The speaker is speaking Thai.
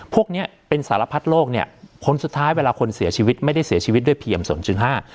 พวกเนี้ยเป็นสารพัดโรคเนี้ยผลสุดท้ายเวลาคนเสียชีวิตไม่ได้เสียชีวิตด้วยเพียงสองจุดห้า